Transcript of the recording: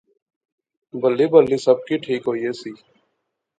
بلی بلی سب کی ٹھیک ہوئی ایسی